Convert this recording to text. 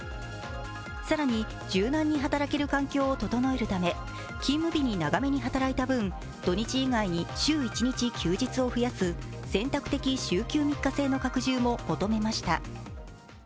更に柔軟に働ける環境を整えるため、勤務日に長めに働いた分土日以外に週１日休日を増やす選択的週休３日制の拡充も求めました。